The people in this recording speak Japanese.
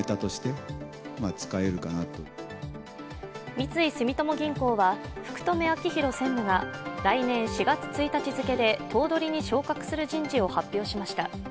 三井住友銀行は、福留朗裕専務が来年４月１日付で頭取に昇格する人事を発表しました。